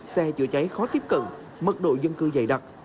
xe chữa cháy khó tiếp cận mật độ dân cư dày đặc